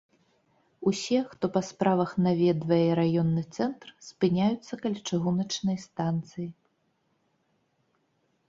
Усе, хто па справах наведвае раённы цэнтр, спыняюцца каля чыгуначнай станцыі.